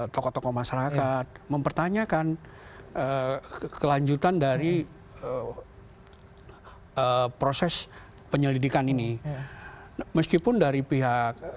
tokoh tokoh masyarakat mempertanyakan kelanjutan dari proses penyelidikan ini meskipun dari pihak